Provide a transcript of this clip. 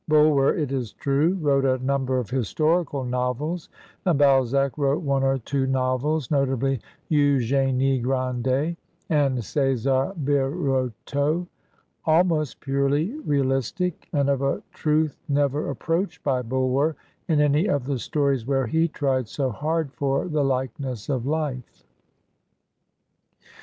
Bulwer, it is true, wrote a niunber of historical novels, and Balzac wrote one or two novels (notably "Eugenie Grandet" and "C&ar Birotteau'')* almost purely real istic, and of a truth never approached by Bulwer in any of the stories where he tried so hard for the like ness of life.